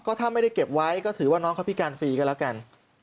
ถ้าไม่ได้เก็บไว้ก็ถือว่าน้องเขาพิการฟรีก็แล้วกัน